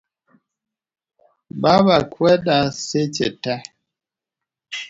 Baba kweda seche tee